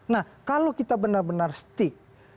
nah kalau kita benar benar stick